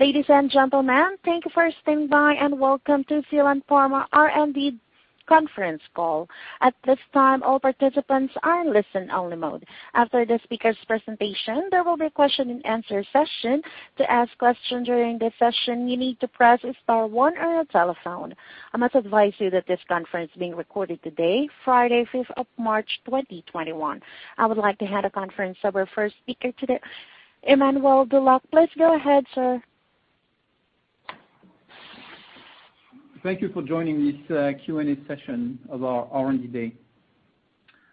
Ladies and gentlemen, thank you for standing by and welcome to Zealand Pharma R&D conference call. At this time, all participants are in listen-only mode. After the speaker's presentation, there will be a question-and-answer session. To ask questions during this session, you need to press star one on your telephone. I must advise you that this conference is being recorded today, Friday, 5th of March, 2021. I would like to hand the conference over to our first speaker today, Emmanuel Dulac. Please go ahead, sir. Thank you for joining this Q&A session of our R&D day.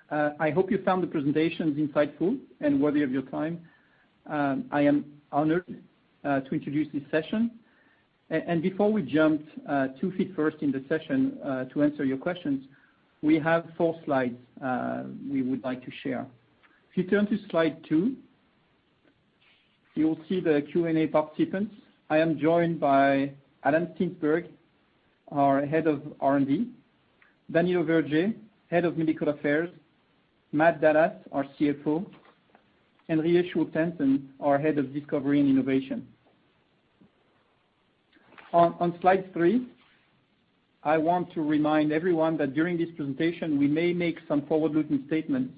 I hope you found the presentations insightful and worthy of your time. I am honored to introduce this session. Before we jump two feet first in the session to answer your questions, we have four slides we would like to share. If you turn to slide two, you will see the Q&A participants. I am joined by Adam Steensberg, our head of R&D, Danilo Verge, head of medical affairs, Matt Dallas, our CFO, Henriette Wennicke, our head of discovery and innovation. On slide three, I want to remind everyone that during this presentation, we may make some forward-looking statements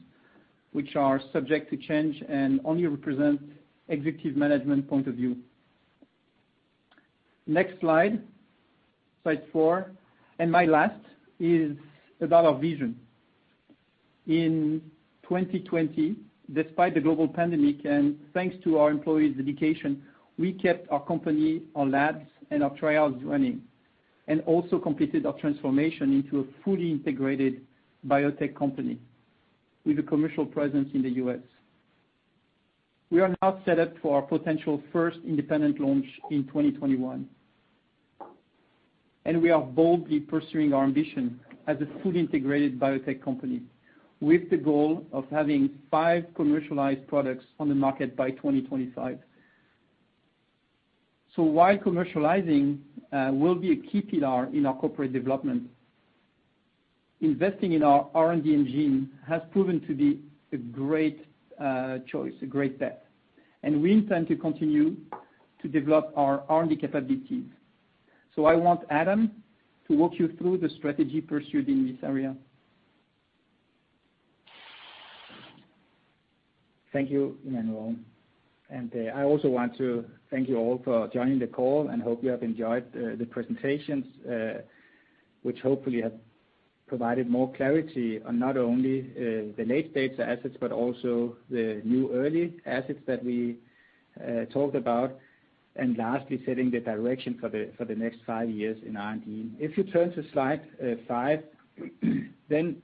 which are subject to change and only represent executive management point of view. Next slide, slide four, and my last is about our vision. In 2020, despite the global pandemic and thanks to our employees' dedication, we kept our company, our labs, and our trials running and also completed our transformation into a fully integrated biotech company with a commercial presence in the U.S. We are now set up for our potential first independent launch in 2021. And we are boldly pursuing our ambition as a fully integrated biotech company with the goal of having five commercialized products on the market by 2025. So why commercializing will be a key pillar in our corporate development. Investing in our R&D engine has proven to be a great choice, a great bet. And we intend to continue to develop our R&D capabilities. So I want Adam to walk you through the strategy pursued in this area. Thank you, Emmanuel. I also want to thank you all for joining the call and hope you have enjoyed the presentations, which hopefully have provided more clarity on not only the late-stage assets but also the new early assets that we talked about. And lastly, setting the direction for the next five years in R&D. If you turn to slide five, then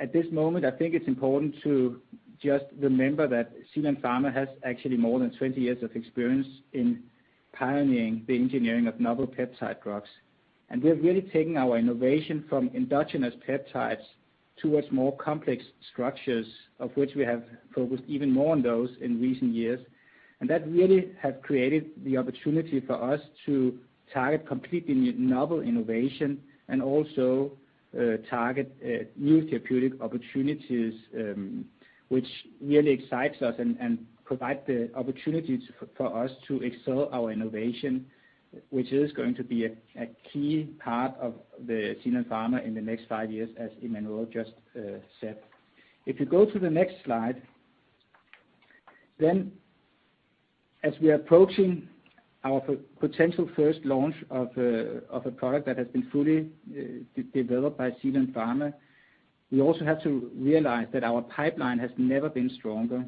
at this moment, I think it's important to just remember that Zealand Pharma has actually more than 20 years of experience in pioneering the engineering of novel peptide drugs. We have really taken our innovation from endogenous peptides towards more complex structures, of which we have focused even more on those in recent years. That really has created the opportunity for us to target completely novel innovation and also target new therapeutic opportunities, which really excites us and provides the opportunity for us to excel our innovation, which is going to be a key part of Zealand Pharma in the next five years, as Emmanuel just said. If you go to the next slide, then as we are approaching our potential first launch of a product that has been fully developed by Zealand Pharma, we also have to realize that our pipeline has never been stronger.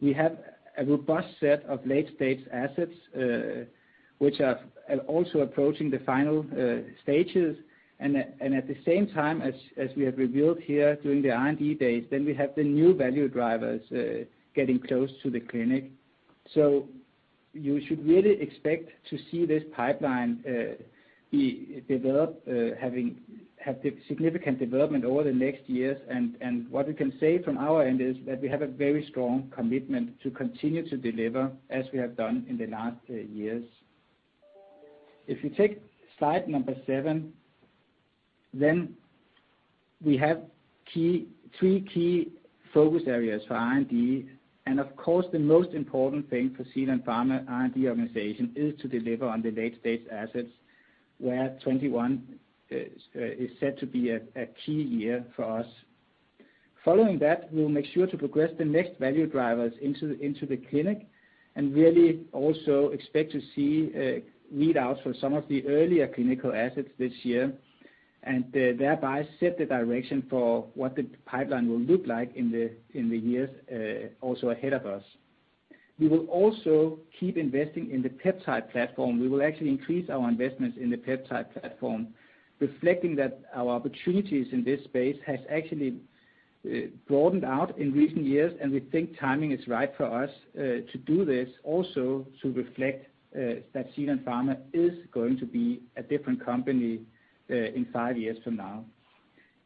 We have a robust set of late-stage assets, which are also approaching the final stages. At the same time as we have revealed here during the R&D days, then we have the new value drivers getting close to the clinic. So you should really expect to see this pipeline be developed, have significant development over the next years, and what we can say from our end is that we have a very strong commitment to continue to deliver as we have done in the last years. If you take slide number seven, then we have three key focus areas for R&D, and of course, the most important thing for Zealand Pharma R&D organization is to deliver on the late-stage assets, where 2021 is set to be a key year for us. Following that, we will make sure to progress the next value drivers into the clinic and really also expect to see readouts for some of the earlier clinical assets this year and thereby set the direction for what the pipeline will look like in the years also ahead of us. We will also keep investing in the peptide platform. We will actually increase our investments in the peptide platform, reflecting that our opportunities in this space have actually broadened out in recent years. And we think timing is right for us to do this, also to reflect that Zealand Pharma is going to be a different company in five years from now.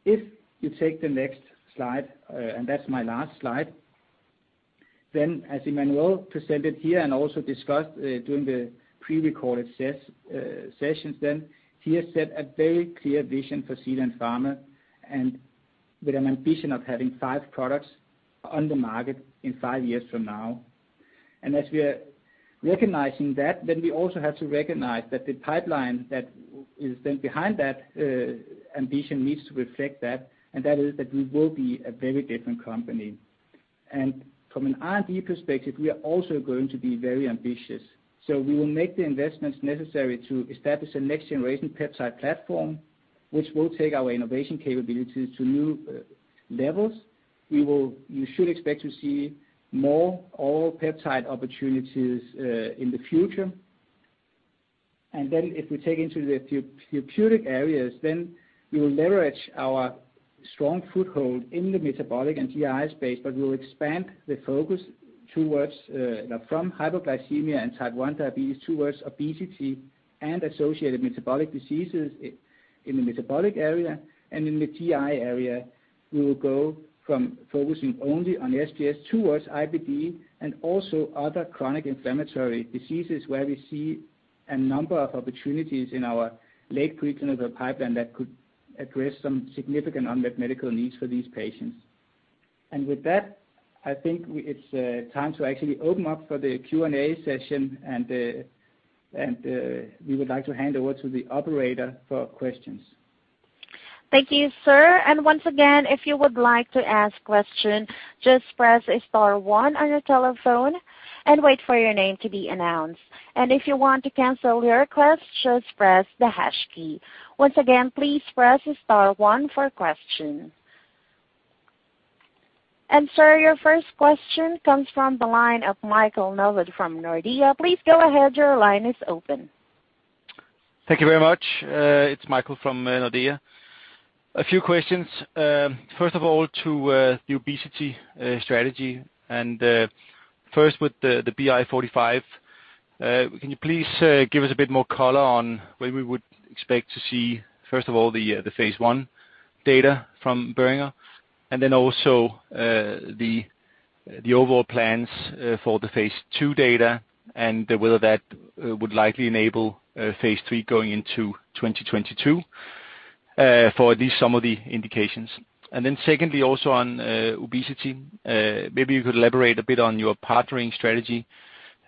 If you take the next slide, and that's my last slide, then as Emmanuel presented here and also discussed during the pre-recorded sessions, then he has set a very clear vision for Zealand Pharma and with an ambition of having five products on the market in five years from now. And as we are recognizing that, then we also have to recognize that the pipeline that is behind that ambition needs to reflect that. And that is that we will be a very different company. From an R&D perspective, we are also going to be very ambitious. We will make the investments necessary to establish a next-generation peptide platform, which will take our innovation capabilities to new levels. You should expect to see more oral peptide opportunities in the future. If we take into the therapeutic areas, we will leverage our strong foothold in the metabolic and GI space, but we will expand the focus from hypoglycemia and Type 1 diabetes towards obesity and associated metabolic diseases in the metabolic area. In the GI area, we will go from focusing only on SBS towards IBD and also other chronic inflammatory diseases where we see a number of opportunities in our late preclinical pipeline that could address some significant unmet medical needs for these patients. With that, I think it's time to actually open up for the Q&A session. We would like to hand over to the operator for questions. Thank you, sir. And once again, if you would like to ask a question, just press star one on your telephone and wait for your name to be announced. And if you want to cancel your request, just press the hash key. Once again, please press star one for a question. And sir, your first question comes from the line of Michael Novod from Nordea. Please go ahead. Your line is open. Thank you very much. It's Michael from Nordea. A few questions. First of all, to the obesity strategy. And first, with the BI 456906, can you please give us a bit more color on where we would expect to see, first of all, the phase one data from Boehringer and then also the overall plans for the phase two data and whether that would likely enable phase three going into 2022 for at least some of the indications. And then secondly, also on obesity, maybe you could elaborate a bit on your partnering strategy,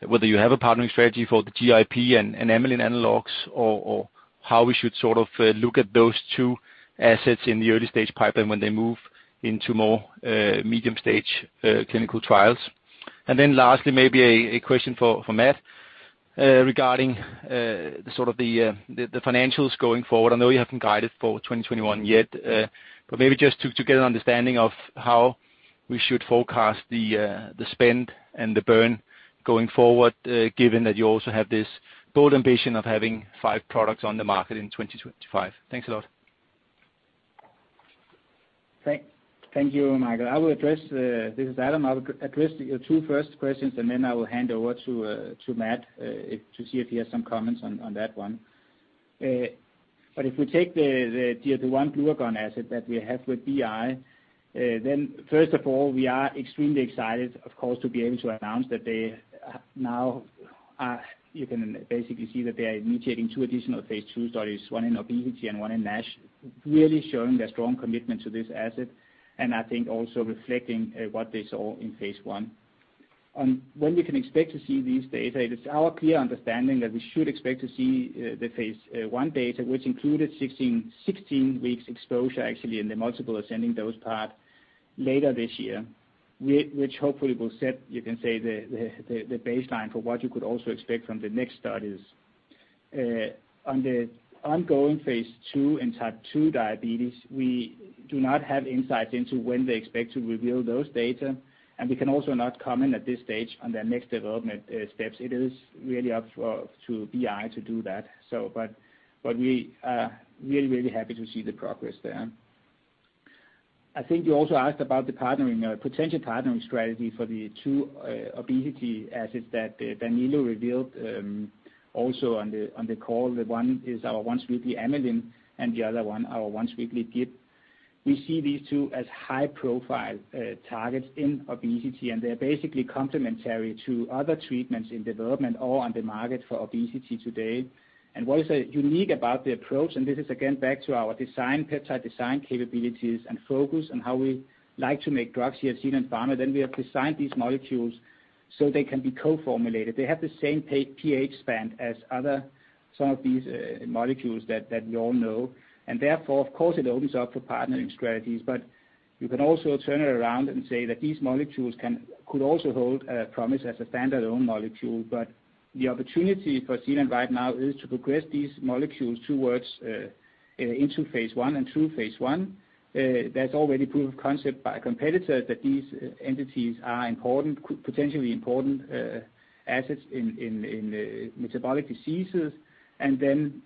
whether you have a partnering strategy for the GIP and amylin analogs or how we should sort of look at those two assets in the early-stage pipeline when they move into more medium-stage clinical trials. And then lastly, maybe a question for Matt regarding sort of the financials going forward. I know you haven't guided for 2021 yet, but maybe just to get an understanding of how we should forecast the spend and the burn going forward, given that you also have this bold ambition of having five products on the market in 2025. Thanks a lot. Thank you, Michael. This is Adam. I will address your two first questions, and then I will hand over to Matt to see if he has some comments on that one, but if we take the one glucagon asset that we have with BI, then first of all, we are extremely excited, of course, to be able to announce that they now, you can basically see, that they are initiating two additional phase two studies, one in obesity and one in NASH, really showing their strong commitment to this asset. And I think also reflecting what they saw in phase one. When we can expect to see these data, it is our clear understanding that we should expect to see the phase 1 data, which included 16 weeks exposure actually in the multiple ascending dose part later this year, which hopefully will set, you can say, the baseline for what you could also expect from the next studies. On the ongoing phase 2 and type 2 diabetes, we do not have insights into when they expect to reveal those data. We can also not comment at this stage on their next development steps. It is really up to BI to do that. We are really, really happy to see the progress there. I think you also asked about the potential partnering strategy for the two obesity assets that Danilo revealed also on the call. One is our once-weekly amylin and the other one, our once-weekly GIP. We see these two as high-profile targets in obesity, and they are basically complementary to other treatments in development or on the market for obesity today. And what is unique about the approach, and this is again back to our peptide design capabilities and focus on how we like to make drugs here at Zealand Pharma, then we have designed these molecules so they can be co-formulated. They have the same pH span as some of these molecules that we all know. And therefore, of course, it opens up for partnering strategies. But you can also turn it around and say that these molecules could also hold a promise as a standard-owned molecule. But the opportunity for Zealand right now is to progress these molecules towards into phase one and through phase one. There's already proof of concept by competitors that these entities are potentially important assets in metabolic diseases. And then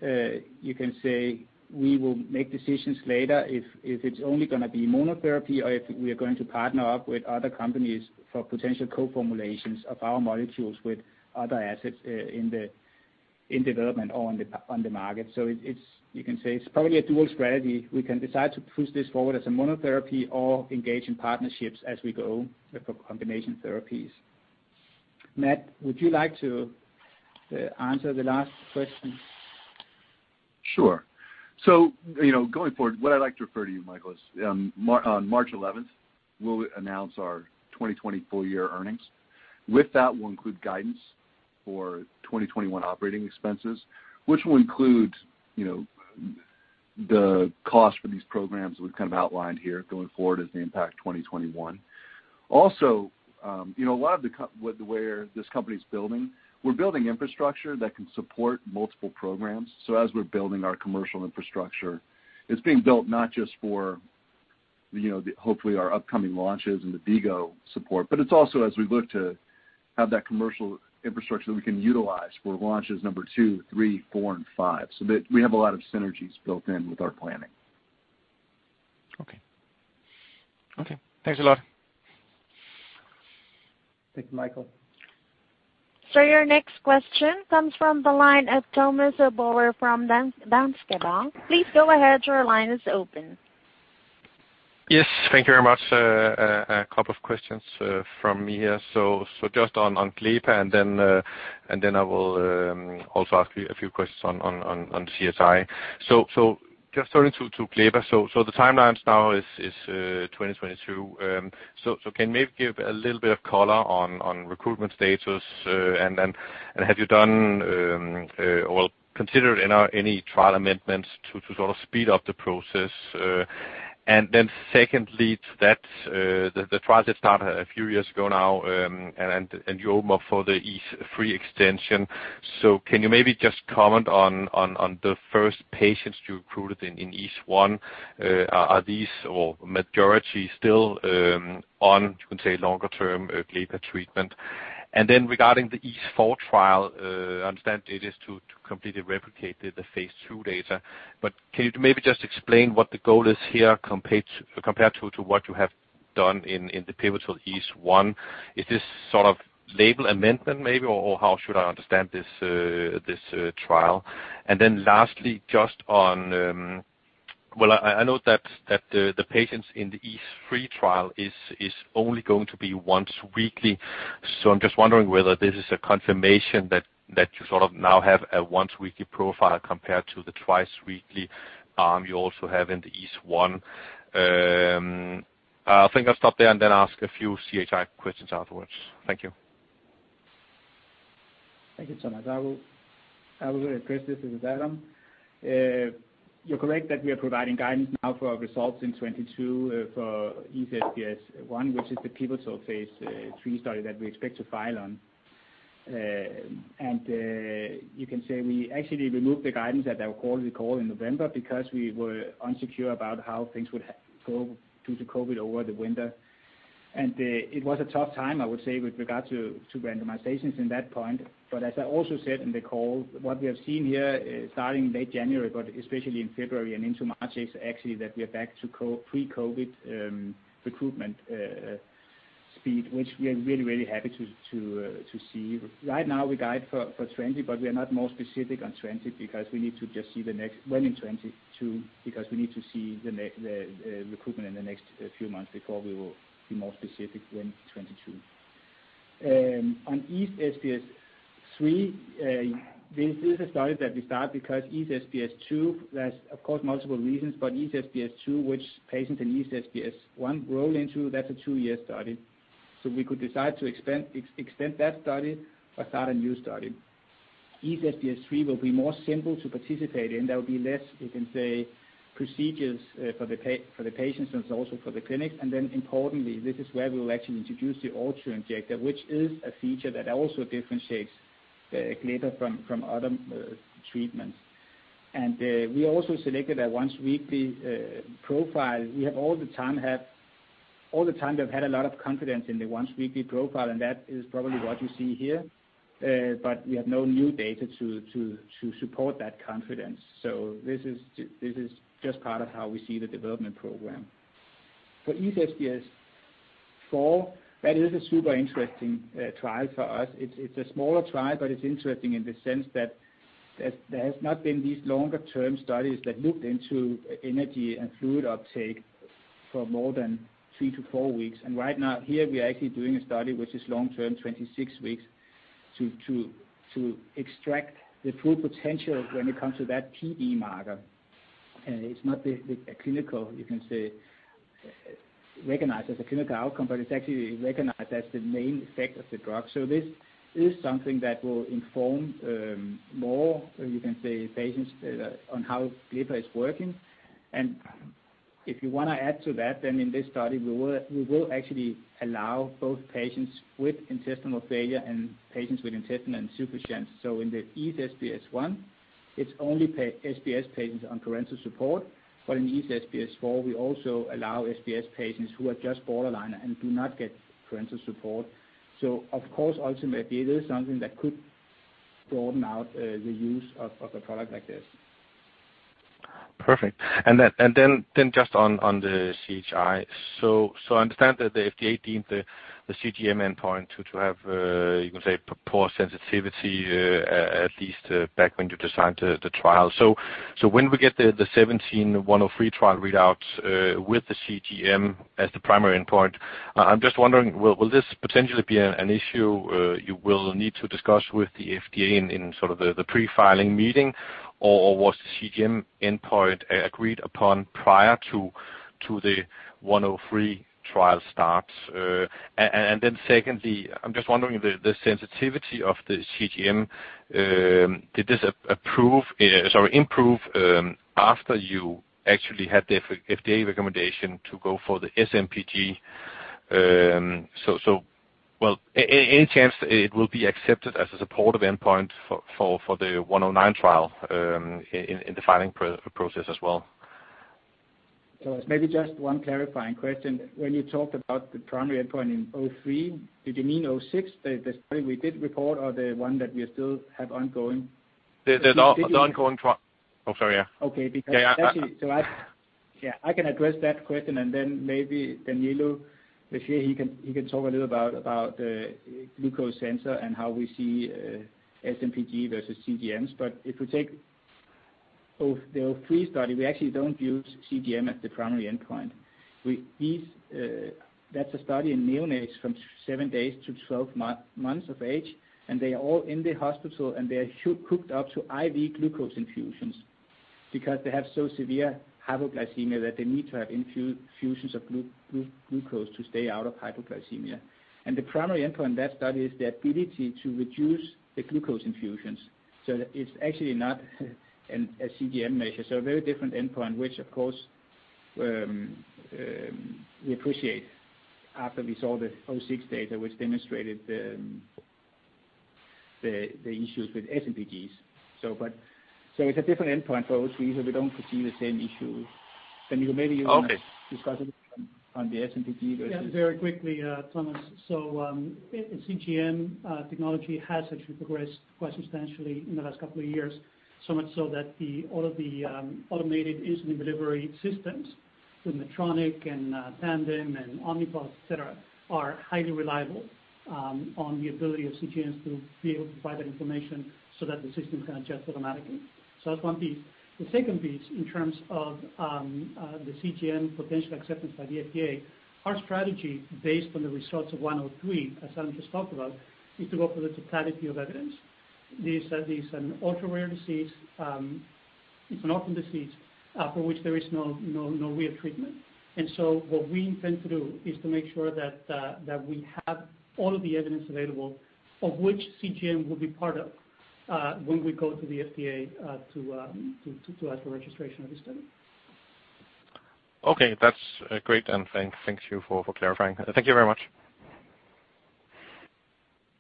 you can say we will make decisions later if it's only going to be monotherapy or if we are going to partner up with other companies for potential co-formulations of our molecules with other assets in development or on the market. So you can say it's probably a dual strategy. We can decide to push this forward as a monotherapy or engage in partnerships as we go for combination therapies. Matt, would you like to answer the last question? Sure, so going forward, what I'd like to refer to you, Michael, is on March 11th, we'll announce our 2024 year earnings. With that, we'll include guidance for 2021 operating expenses, which will include the cost for these programs we've kind of outlined here going forward as they impact 2021. Also, a lot of the way this company is building, we're building infrastructure that can support multiple programs, so as we're building our commercial infrastructure, it's being built not just for hopefully our upcoming launches and the HypoPal support, but it's also as we look to have that commercial infrastructure that we can utilize for launches number two, three, four, and five, so we have a lot of synergies built in with our planning. Okay. Okay. Thanks a lot. Thank you, Michael. So your next question comes from the line of Thomas Bowers from Danske Bank. Please go ahead. Your line is open. Yes. Thank you very much. A couple of questions from me here. So just on glepaglutide, and then I will also ask you a few questions on CHI. So just turning to glepaglutide, so the timeline now is 2022. So can you maybe give a little bit of color on recruitment status? And have you done or considered any trial amendments to sort of speed up the process? And then secondly to that, the trials have started a few years ago now, and you opened up for the EASE III extension. So can you maybe just comment on the first patients you recruited in EASE I? Are these or majority still on, you can say, longer-term glepaglutide treatment? And then regarding the EASE IV trial, I understand it is to completely replicate the phase two data. But can you maybe just explain what the goal is here compared to what you have done in the pivotal EASE I? Is this sort of label amendment maybe, or how should I understand this trial? And then lastly, just on, well, I know that the patients in the EASE III trial is only going to be once weekly. So I'm just wondering whether this is a confirmation that you sort of now have a once-weekly profile compared to the twice-weekly you also have in the EASE I. I think I'll stop there and then ask a few CHI questions afterwards. Thank you. Thank you so much. I will address this with Adam. You're correct that we are providing guidance now for our results in 2022 for EASE- SBS 1, which is the pivotal phase three study that we expect to file on. You can say we actually removed the guidance at our quarterly call in November because we were uncertain about how things would go due to COVID over the winter. It was a tough time, I would say, with regard to randomizations at that point. As I also said in the call, what we have seen here starting late January, but especially in February and into March, is actually that we are back to pre-COVID recruitment speed, which we are really, really happy to see. Right now, we guide for 2020, but we are not more specific on 2020 because we need to just see the next win in 2022 because we need to see the recruitment in the next few months before we will be more specific on 2022. On EASE-SBS III, this is a study that we start because EASE-SBS II, there's, of course, multiple reasons, but EASE-SBS II, which patients in EASE-SBS I roll into, that's a two-year study, so we could decide to extend that study or start a new study. EASE-SBS III will be more simple to participate in. There will be less, you can say, procedures for the patients and also for the clinics, and then importantly, this is where we will actually introduce the Ultra Injector, which is a feature that also differentiates Gleepa from other treatments. We also selected a once-weekly profile. We have all the time had a lot of confidence in the once-weekly profile, and that is probably what you see here. We have no new data to support that confidence. This is just part of how we see the development program. For EASE- SBS 1, that is a super interesting trial for us. It's a smaller trial, but it's interesting in the sense that there have not been these longer-term studies that looked into energy and fluid uptake for more than three to four weeks. Right now, here, we are actually doing a study which is long-term, 26 weeks, to extract the full potential when it comes to that PD marker. It's not a clinical, you can say, recognized as a clinical outcome, but it's actually recognized as the main effect of the drug. So this is something that will inform more, you can say, patients on how Gleepa is working. And if you want to add to that, then in this study, we will actually allow both patients with intestinal failure and patients with intestinal insufficiency. So in the EASE- SBS 1, it's only SBS patients on parenteral support. But in EASE- SBS 1, we also allow SBS patients who are just borderline and do not get parenteral support. So of course, ultimately, it is something that could broaden out the use of a product like this. Perfect. And then just on the CHI, so I understand that the FDA deemed the CGM endpoint to have, you can say, poor sensitivity at least back when you designed the trial. So when we get the 17103 trial readouts with the CGM as the primary endpoint, I'm just wondering, will this potentially be an issue you will need to discuss with the FDA in sort of the pre-filing meeting, or was the CGM endpoint agreed upon prior to the 103 trial starts? And then secondly, I'm just wondering the sensitivity of the CGM, did this improve after you actually had the FDA recommendation to go for the SMPG? So well, any chance it will be accepted as a supportive endpoint for the 109 trial in the filing process as well? So maybe just one clarifying question. When you talked about the primary endpoint in '03, did you mean '06, the study we did report or the one that we still have ongoing? The ongoing trial. Oh, sorry. Yeah. Okay. So yeah, I can address that question. And then maybe Danilo, this year, he can talk a little about glucose sensor and how we see SMPG versus CGMs. But if we take the '03 study, we actually don't use CGM as the primary endpoint. That's a study in neonates from seven days to 12 months of age, and they are all in the hospital, and they are hooked up to IV glucose infusions because they have so severe hypoglycemia that they need to have infusions of glucose to stay out of hypoglycemia. And the primary endpoint in that study is the ability to reduce the glucose infusions. So it's actually not a CGM measure. So a very different endpoint, which, of course, we appreciate after we saw the '06 data, which demonstrated the issues with SMPGs. So it's a different endpoint for '03, so we don't perceive the same issue. And you maybe can discuss it on the SMPG versus. Yeah, very quickly, Thomas. So CGM technology has actually progressed quite substantially in the last couple of years, so much so that all of the automated insulin delivery systems with Medtronic and Tandem and Omnipod, etc., are highly reliable on the ability of CGMs to be able to provide that information so that the system can adjust automatically. So that's one piece. The second piece, in terms of the CGM potential acceptance by the FDA, our strategy based on the results of 103, as Adam just talked about, is to go for the totality of evidence. This is an ultra-rare disease. It's an orphan disease for which there is no real treatment. And so what we intend to do is to make sure that we have all of the evidence available of which CGM will be part of when we go to the FDA to ask for registration of this study. Okay. That's great, and thank you for clarifying. Thank you very much.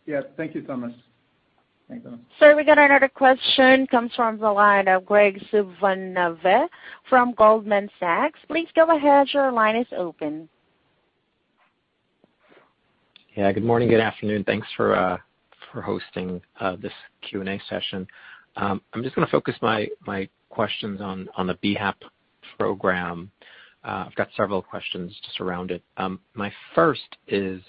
Yeah. Thank you, Thomas. Sorry, we got another question. Comes from Graig Suvannavejh from Goldman Sachs. Please go ahead. Your line is open. Yeah. Good morning. Good afternoon. Thanks for hosting this Q&A session. I'm just going to focus my questions on the BHAP program. I've got several questions just around it. My first is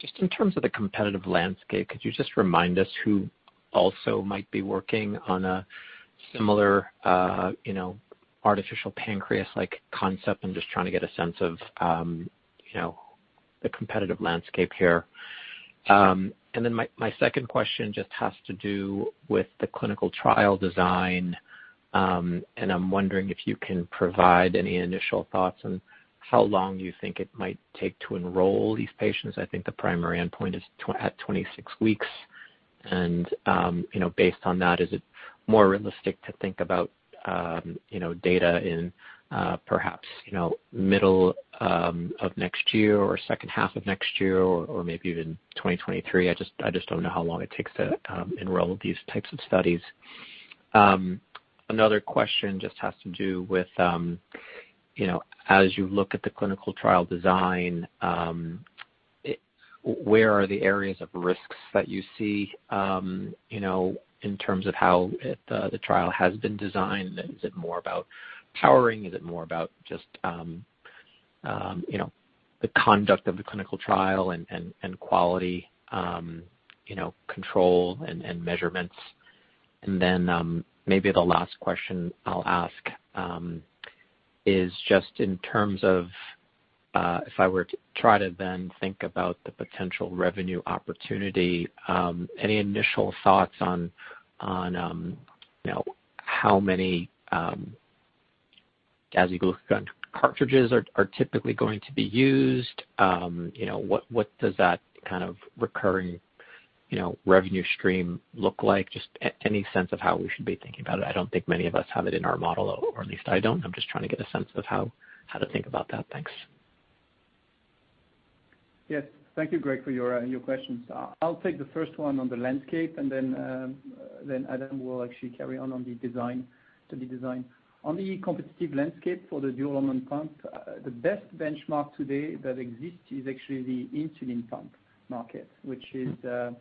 just in terms of the competitive landscape, could you just remind us who also might be working on a similar artificial pancreas-like concept and just trying to get a sense of the competitive landscape here? And then my second question just has to do with the clinical trial design, and I'm wondering if you can provide any initial thoughts on how long you think it might take to enroll these patients. I think the primary endpoint is at 26 weeks. And based on that, is it more realistic to think about data in perhaps middle of next year or second half of next year or maybe even 2023? I just don't know how long it takes to enroll these types of studies. Another question just has to do with, as you look at the clinical trial design, where are the areas of risks that you see in terms of how the trial has been designed? Is it more about powering? Is it more about just the conduct of the clinical trial and quality control and measurements? And then maybe the last question I'll ask is just in terms of if I were to try to then think about the potential revenue opportunity, any initial thoughts on how many gas and glucose cartridges are typically going to be used? What does that kind of recurring revenue stream look like? Just any sense of how we should be thinking about it. I don't think many of us have it in our model, or at least I don't. I'm just trying to get a sense of how to think about that. Thanks. Yes. Thank you, Greg, for your questions. I'll take the first one on the landscape, and then Adam will actually carry on on the design. On the competitive landscape for the dual-hormone pump, the best benchmark today that exists is actually the insulin pump market, which is in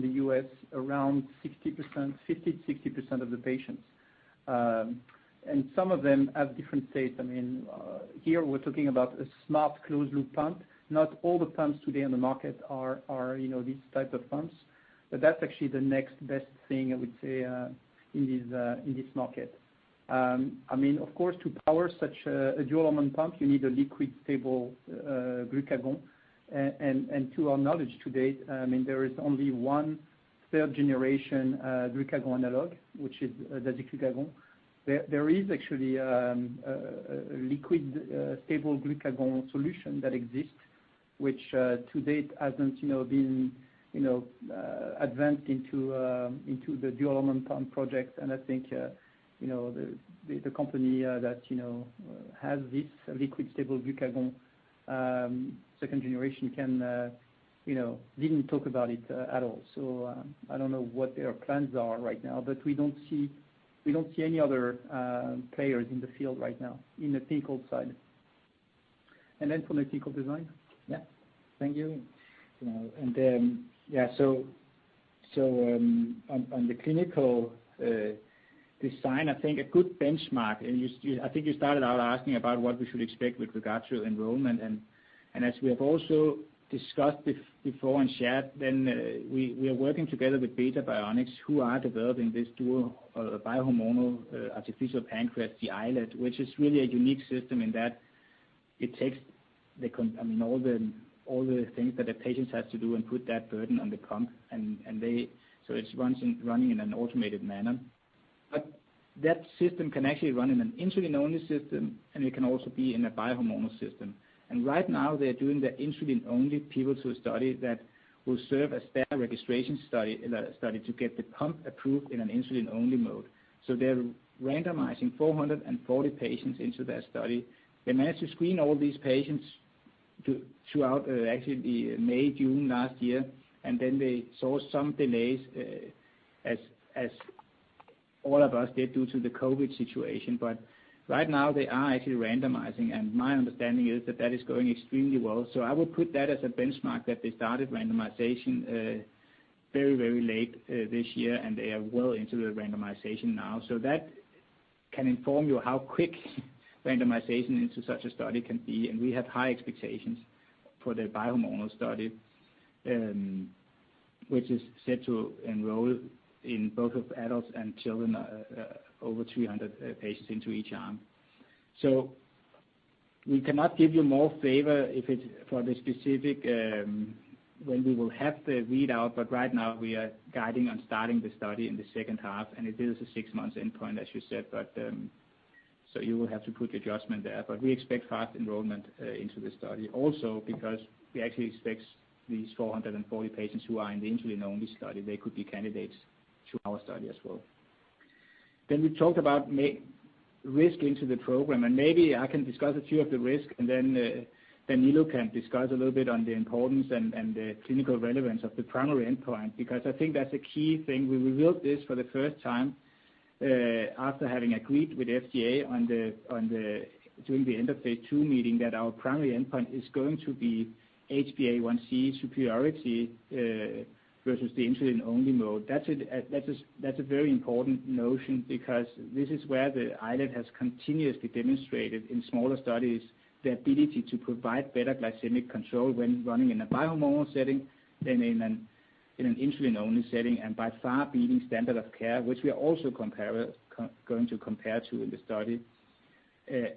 the US, around 50%-60% of the patients. And some of them have different states. I mean, here we're talking about a smart closed-loop pump. Not all the pumps today on the market are these types of pumps. But that's actually the next best thing, I would say, in this market. I mean, of course, to power such a dual-hormone pump, you need a liquid-stable glucagon. And to our knowledge today, I mean, there is only one third-generation glucagon analog, which is dasiglucagon. There is actually a liquid-stable glucagon solution that exists, which to date hasn't been advanced into the dual-hormone pump project, and I think the company that has this liquid-stable second-generation glucagon didn't talk about it at all. So I don't know what their plans are right now, but we don't see any other players in the field right now in the clinical side, and then for the clinical design, yeah. Thank you, and yeah, so on the clinical design, I think a good benchmark, and I think you started out asking about what we should expect with regard to enrollment. As we have also discussed before and shared, then we are working together with Beta Bionics, who are developing this dual biohormonal artificial pancreas, the iLet, which is really a unique system in that it takes the, I mean, all the things that the patient has to do and put that burden on the pump. It is running in an automated manner. That system can actually run in an insulin-only system, and it can also be in a biohormonal system. Right now, they are doing the insulin-only pivotal study that will serve as their registration study to get the pump approved in an insulin-only mode. They are randomizing 440 patients into their study. They managed to screen all these patients throughout actually May, June last year, and then they saw some delays, as all of us did, due to the COVID situation. But right now, they are actually randomizing, and my understanding is that that is going extremely well. So I would put that as a benchmark that they started randomization very, very late this year, and they are well into the randomization now. So that can inform you how quick randomization into such a study can be. And we have high expectations for the biohormonal study, which is set to enroll in both adults and children, over 300 patients into each arm. So we cannot give you more flavor for the specific when we will have the readout, but right now, we are guiding on starting the study in the second half. And it is a six-month endpoint, as you said, but so you will have to put the adjustment there. But we expect fast enrollment into the study also because we actually expect these 440 patients who are in the insulin-only study. They could be candidates to our study as well. Then we talked about risk into the program, and maybe I can discuss a few of the risks, and then Danilo can discuss a little bit on the importance and the clinical relevance of the primary endpoint because I think that's a key thing. We revealed this for the first time after having agreed with FDA during the end-of-phase two meeting that our primary endpoint is going to be HbA1c superiority versus the insulin-only mode. That's a very important notion because this is where the iLet has continuously demonstrated in smaller studies the ability to provide better glycemic control when running in a biohormonal setting than in an insulin-only setting and by far beating standard of care, which we are also going to compare to in the study.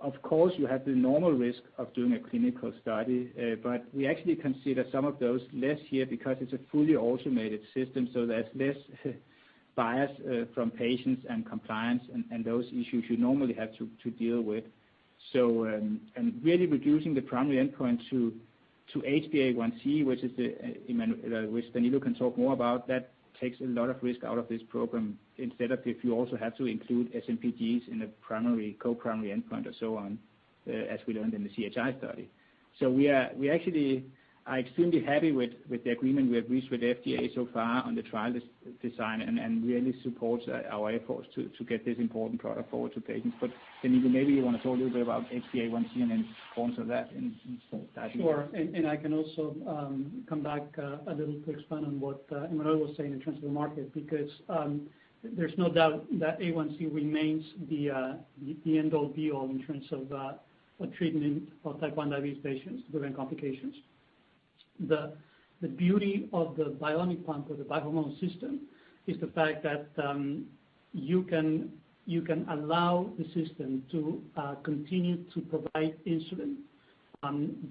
Of course, you have the normal risk of doing a clinical study, but we actually consider some of those less here because it's a fully automated system, so there's less bias from patients and compliance and those issues you normally have to deal with, really reducing the primary endpoint to HbA1c, which Danilo can talk more about, that takes a lot of risk out of this program instead of if you also have to include SMPGs in a co-primary endpoint or so on, as we learned in the CHI study. So we actually are extremely happy with the agreement we have reached with FDA so far on the trial design and really supports our efforts to get this important product forward to patients. But Danilo, maybe you want to talk a little bit about HbA1c and then forms of that in the study. Sure. And I can also come back a little to expand on what Emmanuel was saying in terms of the market because there's no doubt that A1c remains the end-all, be-all in terms of treatment for type 1 diabetes patients with complications. The beauty of the bionic pump or the biohormonal system is the fact that you can allow the system to continue to provide insulin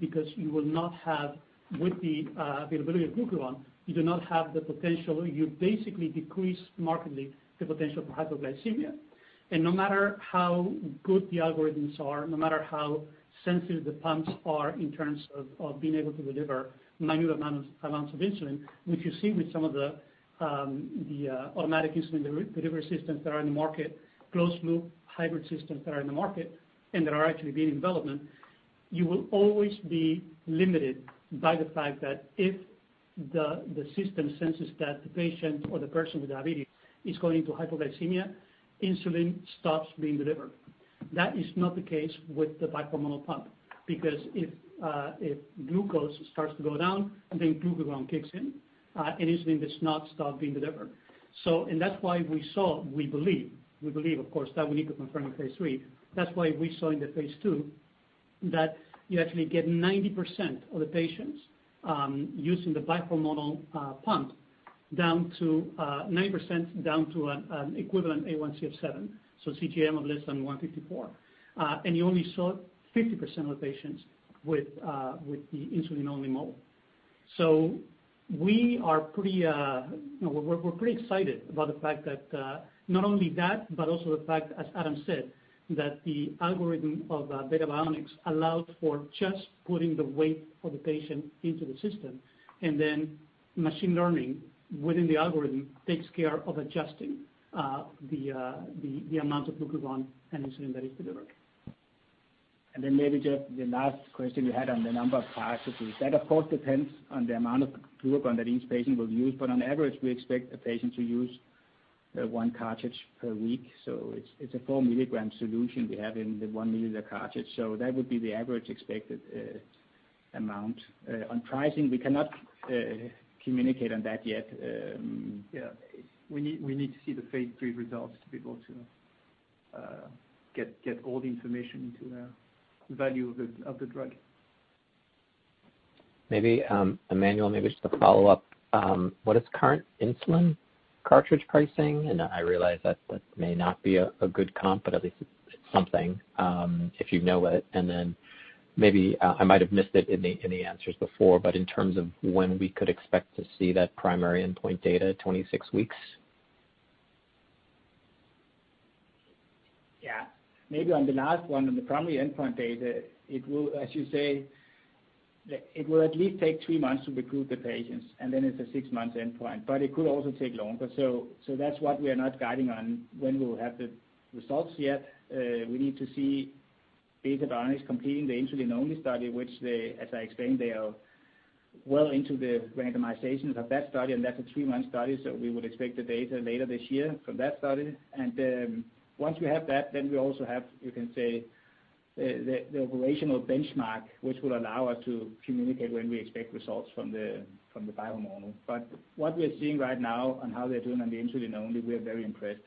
because you will not have, with the availability of glucagon, you do not have the potential. You basically decrease markedly the potential for hypoglycemia. And no matter how good the algorithms are, no matter how sensitive the pumps are in terms of being able to deliver minimal amounts of insulin, which you see with some of the automatic insulin delivery systems that are in the market, closed-loop hybrid systems that are in the market and that are actually being in development, you will always be limited by the fact that if the system senses that the patient or the person with diabetes is going into hypoglycemia, insulin stops being delivered. That is not the case with the biohormonal pump because if glucose starts to go down, then glucagon kicks in, and insulin does not stop being delivered. And that's why we saw, we believe, we believe, of course, that we need to confirm in phase three. That's why we saw in the phase two that you actually get 90% of the patients using the biohormonal pump down to 90% down to an equivalent HbA1c of 7, so CGM of less than 154. And you only saw 50% of the patients with the insulin-only model. So we are pretty excited about the fact that not only that, but also the fact, as Adam said, that the algorithm of Beta Bionics allows for just putting the weight of the patient into the system, and then machine learning within the algorithm takes care of adjusting the amount of glucagon and insulin that is delivered. And then maybe just the last question we had on the number of cartridges. That, of course, depends on the amount of glucagon that each patient will use, but on average, we expect a patient to use one cartridge per week. So it's a 4 milligram solution we have in the 1 milliliter cartridge. So that would be the average expected amount. On pricing, we cannot communicate on that yet. Yeah. We need to see the phase three results to be able to get all the information into the value of the drug. Maybe Emmanuel, maybe just a follow-up. What is current insulin cartridge pricing? And I realize that may not be a good comp, but at least it's something if you know it. And then maybe I might have missed it in the answers before, but in terms of when we could expect to see that primary endpoint data, 26 weeks? Yeah. Maybe on the last one, on the primary endpoint data, as you say, it will at least take three months to recruit the patients, and then it's a six-month endpoint. But it could also take longer. So that's what we are not guiding on when we'll have the results yet. We need to see Beta Bionics completing the insulin-only study, which, as I explained, they are well into the randomization of that study, and that's a three-month study. So we would expect the data later this year from that study. And once we have that, then we also have, you can say, the operational benchmark, which will allow us to communicate when we expect results from the biohormonal. But what we're seeing right now on how they're doing on the insulin-only, we are very impressed.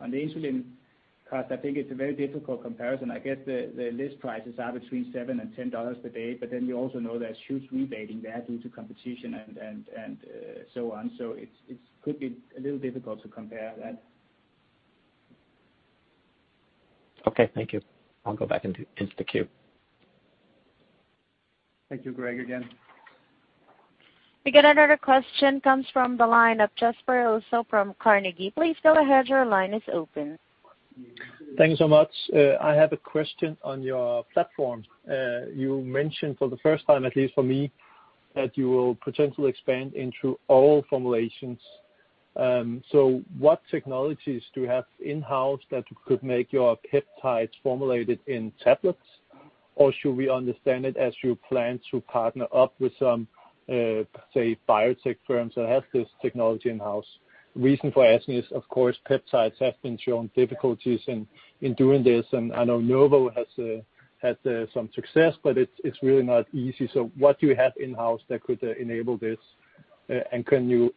On the insulin cost, I think it's a very difficult comparison. I guess the list prices are between $7 and $10 per day, but then you also know there's huge rebating there due to competition and so on. So it could be a little difficult to compare that. Okay. Thank you. I'll go back into the queue. Thank you, Graig, again. We get another question comes from the line of Jesper also from Carnegie. Please go ahead. Your line is open. Thanks so much. I have a question on your platform. You mentioned for the first time, at least for me, that you will potentially expand into all formulations. So what technologies do you have in-house that could make your peptides formulated in tablets, or should we understand it as you plan to partner up with some, say, biotech firms that have this technology in-house? The reason for asking is, of course, peptides have been shown difficulties in doing this. And I know Novo has had some success, but it's really not easy. So what do you have in-house that could enable this? And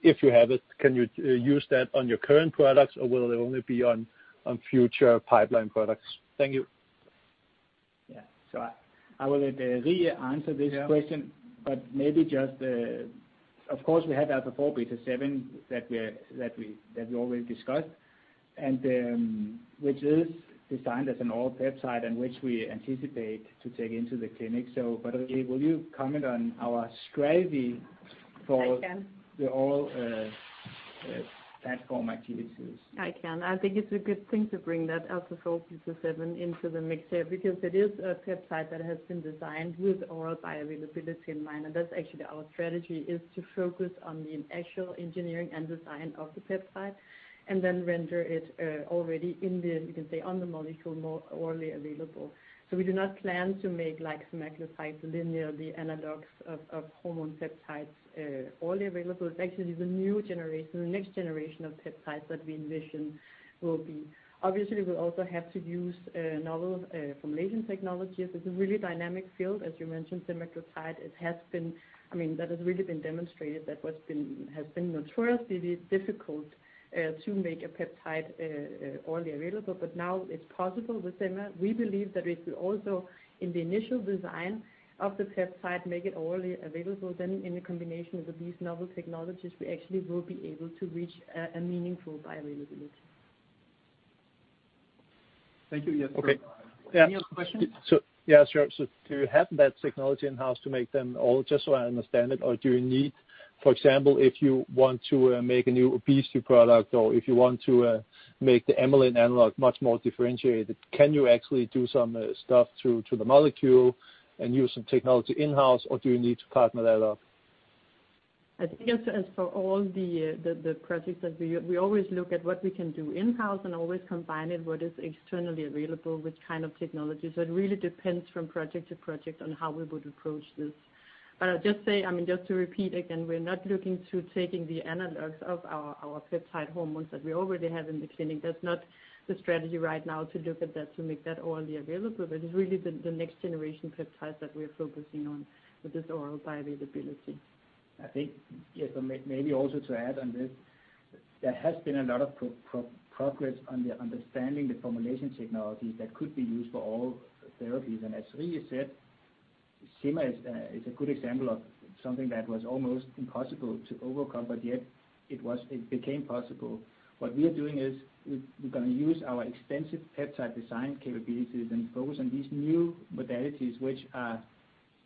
if you have it, can you use that on your current products, or will it only be on future pipeline products? Thank you. Yeah. So I will re-answer this question, but maybe just, of course, we have Alpha-4 beta-7 that we already discussed, which is designed as an oral peptide and which we anticipate to take into the clinic. But will you comment on our strategy for all platform activities? I can. I think it's a good thing to bring that Alpha-4 beta-7 into the mix here because it is a peptide that has been designed with oral bioavailability in mind, and that's actually our strategy, is to focus on the actual engineering and design of the peptide and then render it already in the, you can say, on the molecule orally available, so we do not plan to make semaglutide's linear analogs of hormone peptides orally available. It's actually the new generation, the next generation of peptides that we envision will be. Obviously, we'll also have to use novel formulation technologies. It's a really dynamic field. As you mentioned, semaglutide, it has been, I mean, that has really been demonstrated that what has been notoriously difficult to make a peptide orally available, but now it's possible with Sema. We believe that if we also, in the initial design of the peptide, make it orally available, then in combination with these novel technologies, we actually will be able to reach a meaningful bioavailability. Thank you. Yes. Any other questions? Yeah. So do you have that technology in-house to make them all, just so I understand it, or do you need, for example, if you want to make a new obesity product or if you want to make the amylin analog much more differentiated, can you actually do some stuff to the molecule and use some technology in-house, or do you need to partner that up? I think for all the projects that we do, we always look at what we can do in-house and always combine it with what is externally available, which kind of technology. So it really depends from project to project on how we would approach this. But I'll just say, I mean, just to repeat again, we're not looking to take the analogs of our peptide hormones that we already have in the clinic. That's not the strategy right now to look at that, to make that orally available, but it's really the next generation peptides that we are focusing on with this oral bioavailability. I think, yes, maybe also to add on this, there has been a lot of progress on understanding the formulation technology that could be used for all therapies. And as Rie said, Sema is a good example of something that was almost impossible to overcome, but yet it became possible. What we are doing is we're going to use our extensive peptide design capabilities and focus on these new modalities, which are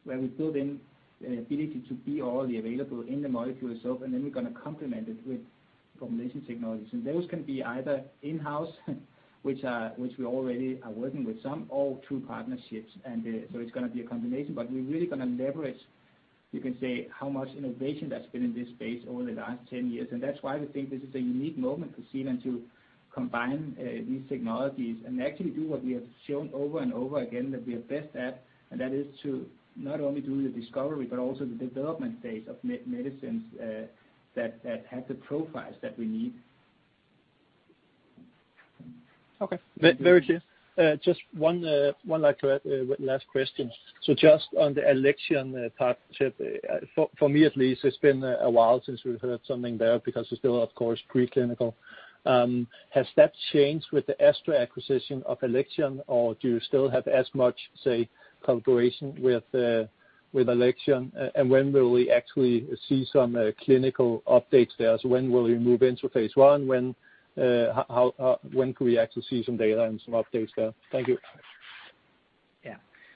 where we build in the ability to be orally available in the molecule itself, and then we're going to complement it with formulation technologies. And those can be either in-house, which we already are working with some, or through partnerships. And so it's going to be a combination, but we're really going to leverage, you can say, how much innovation that's been in this space over the last 10 years. That's why we think this is a unique moment to see and to combine these technologies and actually do what we have shown over and over again that we are best at, and that is to not only do the discovery but also the development phase of medicines that have the profiles that we need. Okay. Very clear. Just one last question. So just on the Alexion partnership, for me at least, it's been a while since we've heard something there because it's still, of course, pre-clinical. Has that changed with the Astra acquisition of Alexion, or do you still have as much, say, collaboration with Alexion? And when will we actually see some clinical updates there? So when will we move into phase one? When could we actually see some data and some updates there? Thank you. Yeah.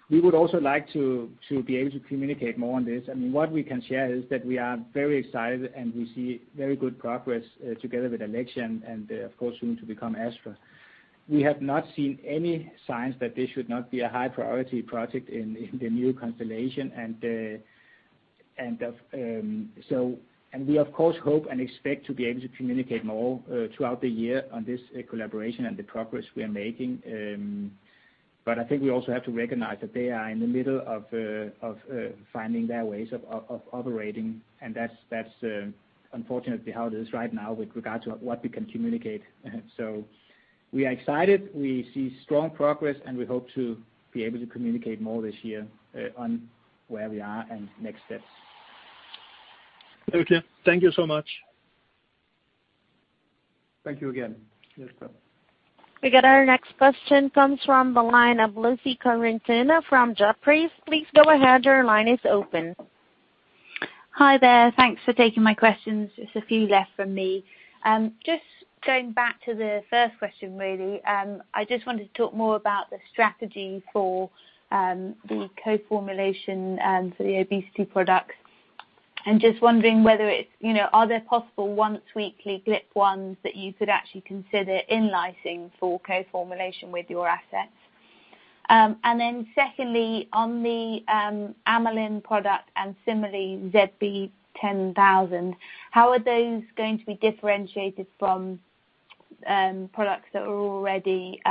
We would also like to be able to communicate more on this. I mean, what we can share is that we are very excited, and we see very good progress together with Alexion and, of course, soon to become Astra. We have not seen any signs that this should not be a high-priority project in the new constellation, and we, of course, hope and expect to be able to communicate more throughout the year on this collaboration and the progress we are making, but I think we also have to recognize that they are in the middle of finding their ways of operating, and that's unfortunately how it is right now with regard to what we can communicate, so we are excited. We see strong progress, and we hope to be able to communicate more this year on where we are and next steps. Thank you. Thank you so much. Thank you again. We get our next question comes from the line of Lucy Codrington from Jefferies. Please go ahead. Your line is open. Hi there. Thanks for taking my questions. There's a few left from me. Just going back to the first question, really, I just wanted to talk more about the strategy for the co-formulation for the obesity products and just wondering whether it's are there possible once-weekly GLP-1s that you could actually consider in-licensing for co-formulation with your assets? And then secondly, on the Amylin product and petrelintide, ZP10000, how are those going to be differentiated from products that are already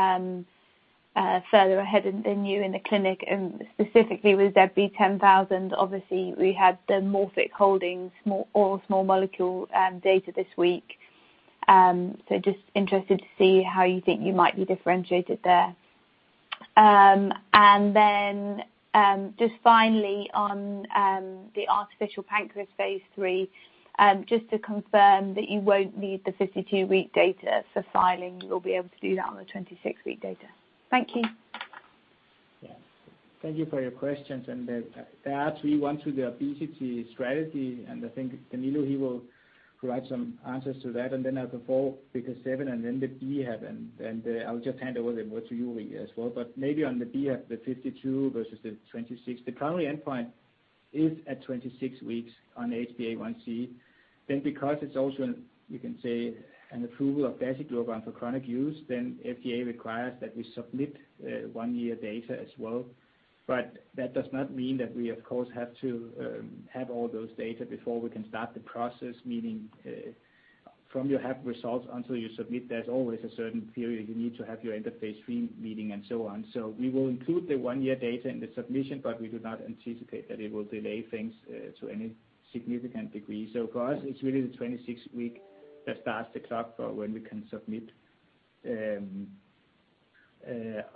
further ahead than you in the clinic? And specifically with ZP10000, obviously, we had the Morphic Holding oral small molecule data this week. So just interested to see how you think you might be differentiated there. And then just finally, on the artificial pancreas phase three, just to confirm that you won't need the 52-week data for filing, you'll be able to do that on the 26-week data. Thank you. Thank you for your questions, and there are three ones with the obesity strategy, and I think Danilo, he will provide some answers to that, and then I'll go forward on survodutide and then the biohormonal, and I'll just hand over the word to you, Rie, as well, but maybe on the biohormonal, the 52 versus the 26, the primary endpoint is at 26 weeks on HbA1c, then because it's also, you can say, an approval of dasiglucagon for chronic use, then FDA requires that we submit one-year data as well, but that does not mean that we, of course, have to have all those data before we can start the process, meaning from you have results until you submit, there's always a certain period you need to have your interface meeting and so on. So we will include the one-year data in the submission, but we do not anticipate that it will delay things to any significant degree. So for us, it's really the 26-week that starts the clock for when we can submit.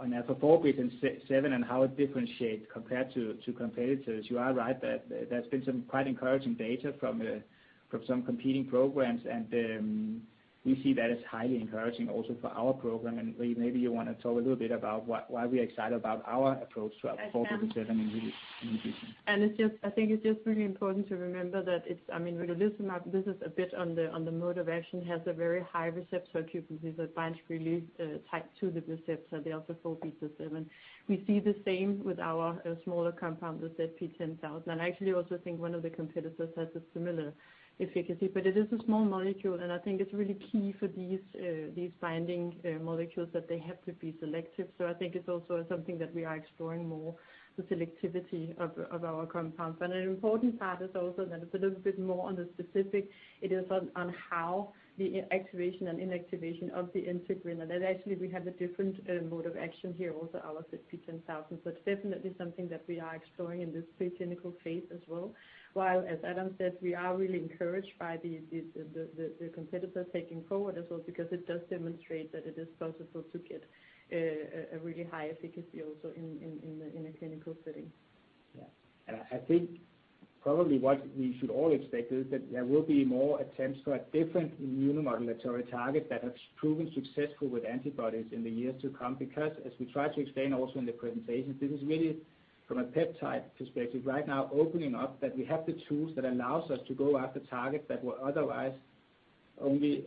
On Alpha-4 beta-7 and how it differentiates compared to competitors, you are right that there's been some quite encouraging data from some competing programs, and we see that as highly encouraging also for our program. And maybe you want to talk a little bit about why we are excited about our approach to Alpha-4 beta-7 in the future. I think it's just really important to remember that, I mean, really, this is a bit on the mode of action, has a very high receptor accuracy. It binds to the alpha-4 beta-7 receptor. We see the same with our smaller compound, the ZP10000. I actually also think one of the competitors has a similar efficacy, but it is a small molecule, and I think it's really key for these binding molecules that they have to be selective. So I think it's also something that we are exploring more, the selectivity of our compounds. But an important part is also that it's a little bit more on the specific. It is on how the activation and inactivation of the integrin. And then actually, we have a different mode of action here, also our ZP10000. So it's definitely something that we are exploring in this pre-clinical phase as well. While, as Adam said, we are really encouraged by the competitor taking forward as well because it does demonstrate that it is possible to get a really high efficacy also in a clinical setting. Yeah. And I think probably what we should all expect is that there will be more attempts to have different immunomodulatory targets that have proven successful with antibodies in the years to come because as we tried to explain also in the presentation, this is really from a peptide perspective right now opening up that we have the tools that allow us to go after targets that were otherwise only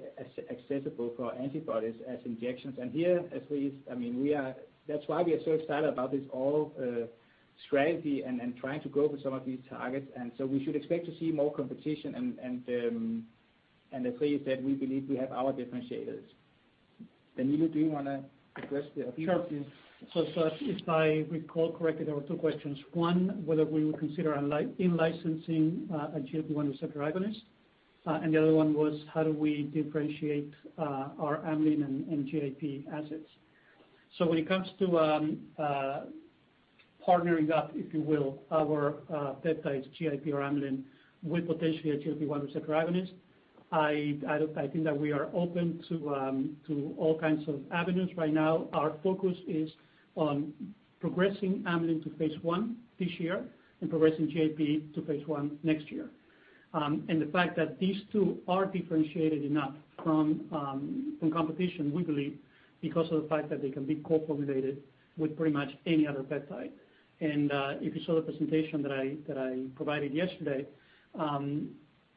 accessible for antibodies as injections. And here, as Rhea said, I mean, that's why we are so excited about this oral strategy and trying to go for some of these targets. And so we should expect to see more competition. And as Rhea said, we believe we have our differentiators. Danilo, do you want to address the other questions? Sure. So if I recall correctly, there were two questions. One, whether we would consider in-licensing a GLP-1 receptor agonist. And the other one was, how do we differentiate our Amylin and GIP assets? So when it comes to partnering up, if you will, our peptides, GIP or Amylin, with potentially a GLP-1 receptor agonist, I think that we are open to all kinds of avenues. Right now, our focus is on progressing Amylin to phase one this year and progressing GIP to phase one next year. And the fact that these two are differentiated enough from competition, we believe, because of the fact that they can be co-formulated with pretty much any other peptide. And if you saw the presentation that I provided yesterday,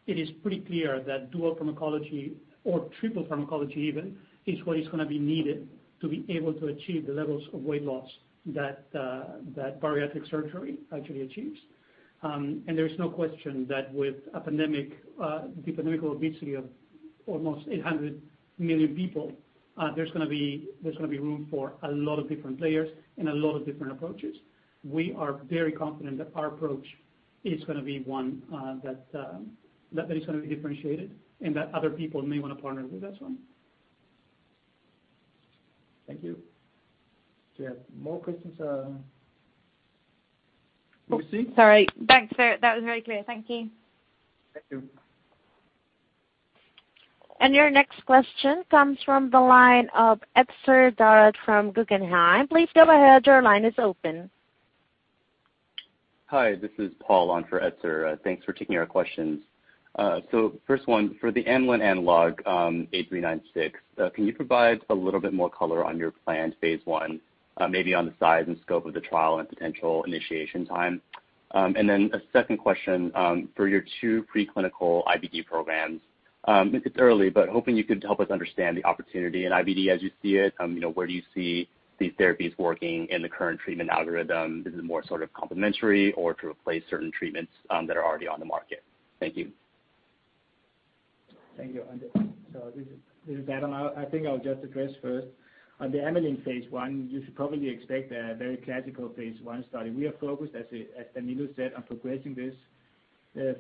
it is pretty clear that dual pharmacology or triple pharmacology even is what is going to be needed to be able to achieve the levels of weight loss that bariatric surgery actually achieves. And there is no question that with the pandemic obesity of almost 800 million people, there's going to be room for a lot of different players and a lot of different approaches. We are very confident that our approach is going to be one that is going to be differentiated and that other people may want to partner with us on. Thank you. Do you have more questions? Lucy? Sorry. Thanks. That was very clear. Thank you. Thank you. Your next question comes from the line of Etzer Darout from Guggenheim. Please go ahead. Your line is open. Hi. This is Paul on for Etzer. Thanks for taking our questions. So first one, for the Amylin analog, ZP8396, can you provide a little bit more color on your planned phase one, maybe on the size and scope of the trial and potential initiation time? And then a second question for your two pre-clinical IBD programs. It's early, but hoping you could help us understand the opportunity in IBD as you see it. Where do you see these therapies working in the current treatment algorithm? Is it more sort of complementary or to replace certain treatments that are already on the market? Thank you. Thank you. So this is Adam. I think I'll just address first. On the Amylin phase one, you should probably expect a very classical phase one study. We are focused, as Danilo said, on progressing this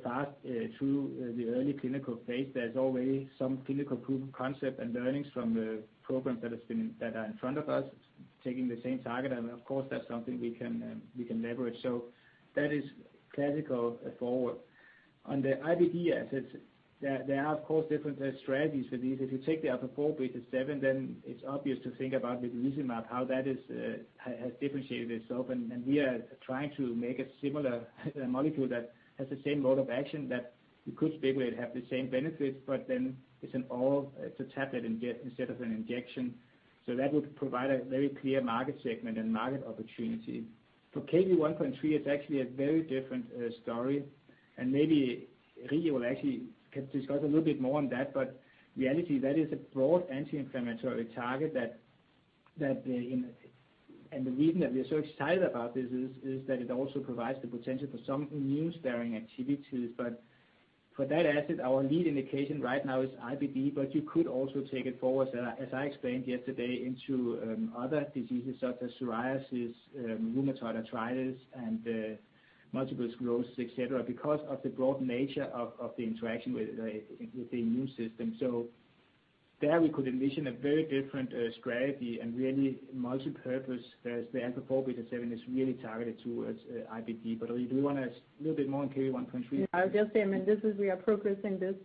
fast through the early clinical phase. There's already some clinical proof of concept and learnings from the programs that are in front of us taking the same target. And of course, that's something we can leverage. So that is classical forward. On the IBD assets, there are, of course, different strategies for these. If you take the Alpha-4 beta -7, then it's obvious to think about with Vedolizumab, how that has differentiated itself. And we are trying to make a similar molecule that has the same mode of action that we could stimulate, have the same benefits, but then it's an oral tablet instead of an injection. So that would provide a very clear market segment and market opportunity. For Kv1.3, it's actually a very different story. And maybe Rhea will actually discuss a little bit more on that. But really, that is a broad anti-inflammatory target. And the reason that we are so excited about this is that it also provides the potential for some immune-sparing activities. But for that asset, our lead indication right now is IBD, but you could also take it forward, as I explained yesterday, into other diseases such as psoriasis, rheumatoid arthritis, and multiple sclerosis, etc., because of the broad nature of the interaction with the immune system. So there we could envision a very different strategy and really multipurpose as the Alpha-4 beta-7 is really targeted towards IBD. But do you want a little bit more on Kv1.3? Yeah. I'll just say, I mean, we are progressing this